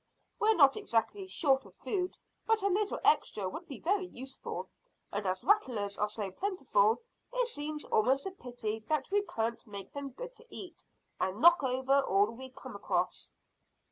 We're not exactly short of food, but a little extra would be very useful, and as rattlers are so plentiful it seems almost a pity that we can't make them good to eat, and knock over all we come across."